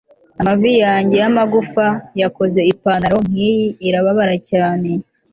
amavi yanjye yamagufa yakoze ipantaro nkiyi irababara cyane